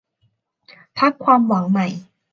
พรรคความหวังใหม่